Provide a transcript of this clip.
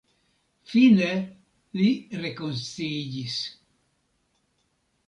Fine li rekonsciiĝis.